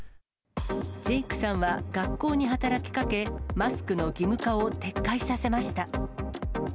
ジェイクさんは学校に働きかけ、マスクの義務化を撤回させました。